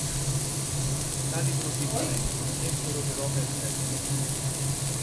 Tali provvedimenti non ebbero però effetto.